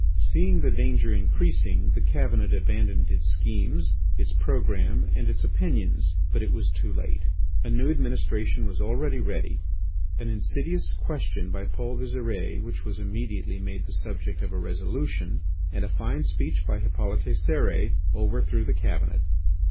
Seeing the danger increasing, the Cabinet abandoned its schemes, its programme, and its opinions, but it was too late. A new administration was already ready. An insidious question by Paul Visire which was immediately made the subject of a resolution, and a fine speech by Hippolyte Cérès, overthrew the Cabinet.